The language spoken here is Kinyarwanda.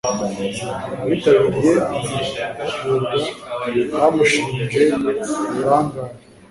Abitabiriye amahugurwa bamushinje uburangare.